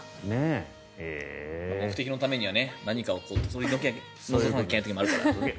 目的のためには何かを取り除かないといけないですから。